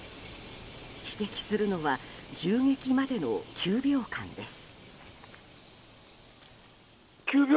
指摘するのは銃撃までの９秒間です。